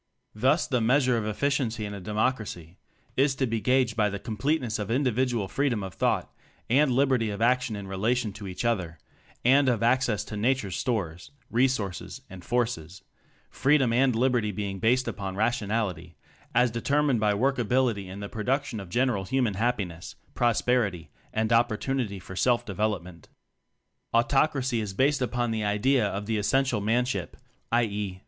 Thus the measure of efficiency in a Democracy is to be gaged by the com pleteness of individual freedom of thought and liberty of action in rela tion to each other and of access to nature's stores, resources and forces freedom and liberty being based upon rationality as determined by work ability in the production of general human happiness, prosperity and op portunity for self development. Autocracy is based upon the idea of the essential manship (i. e.